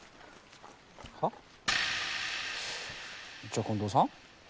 じゃあ近藤さん？